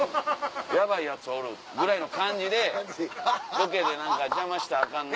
ヤバいヤツおるぐらいの感じでロケで何か邪魔したらアカンな。